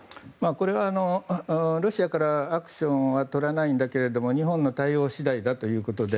これはロシアからアクションは取らないんだけど日本の対応次第だということで。